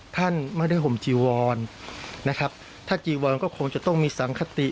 ท่านไม่ได้ห่มจีวรนะครับถ้าจีวอนก็คงจะต้องมีสังคติ